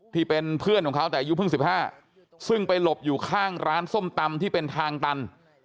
ที่เป็นเพื่อนของเขาแต่อายุเพิ่ง๑๕ซึ่งไปหลบอยู่ข้างร้านส้มตำที่เป็นทางตัน